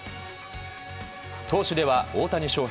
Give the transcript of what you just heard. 投手では大谷翔平